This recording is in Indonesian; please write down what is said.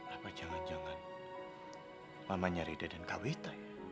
apa jangan jangan mamanya rida dan kawita